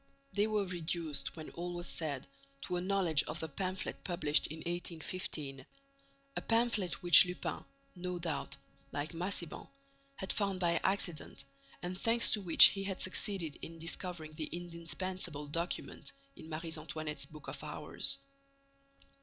They were reduced, when all was said, to a knowledge of the pamphlet published in 1815, a pamphlet which Lupin, no doubt, like Massiban, had found by accident and thanks to which he had succeeded in discovering the indispensable document in Marie Antoinette's book of hours.